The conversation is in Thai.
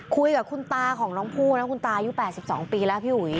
คุยกับคุณตาของน้องผู้นะคุณตายุ๘๒ปีแล้วพี่อุ๋ย